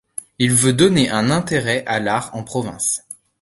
Il veut donner un intérêt à l'art en province.